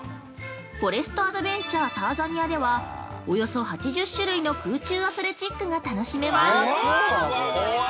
フォレストアドベンチャーターザニアではおよそ８０種類の空中アスレチックが楽しめます